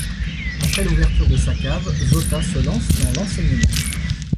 Après l’ouverture de sa Cave, Zota se lance dans l'enseignement.